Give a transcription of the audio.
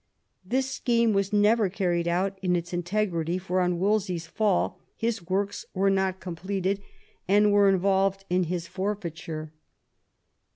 This scheme was never carried out in its integrity, for on Wolsey's fall his works were not completed, and were involved in his forfeiture.